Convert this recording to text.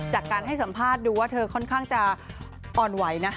จากการให้สัมภาษณ์ดูว่าเธอค่อนข้างจะอ่อนไหวนะ